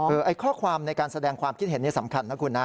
ไอ้ข้อความในการแสดงความคิดเห็นนี่สำคัญนะคุณนะ